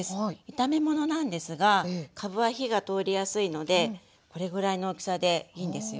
炒め物なんですがかぶは火が通りやすいのでこれぐらいの大きさでいいんですよ。